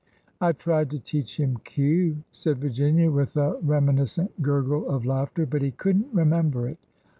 I tried to teach him Q," said Virginia, with a remi niscent gurgle of laughter ;" but he could n't remember it.